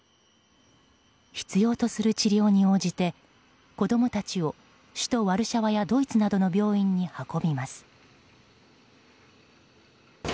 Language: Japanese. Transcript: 必要とする治療に応じて子供たちを首都ワルシャワやドイツなどの病院に運びます。